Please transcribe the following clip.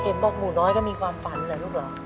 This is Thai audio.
บอกหนูน้อยก็มีความฝันเหรอลูกเหรอ